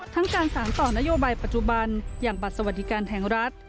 ทั้งการสารต่อนโยบายปัจจุบันอย่างบัตรสวัสดิการแห่งรัฐ